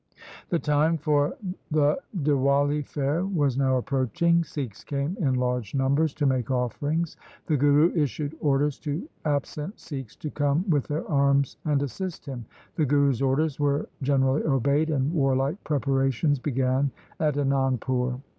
The time for the Diwali fair was now approaching. Sikhs came in large numbers to make offerings. The Guru issued orders to absent Sikhs to come with their arms and assist him. The Guru's orders were generally obeyed, and warlike preparations began at Anandpur.